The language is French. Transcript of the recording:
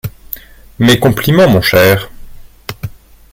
Mes compliments, mon cher.